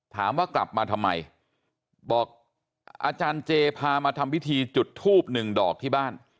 ถามว่ากลับมาทำไมบอกอาจารย์เจพามาทำพิธีจุดทูบหนึ่งดอกที่บ้าน